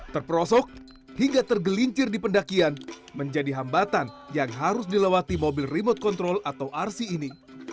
terperosok hingga tergelincir di pendakian menjadi hambatan yang harus dilewati mobil remote control atau rc ini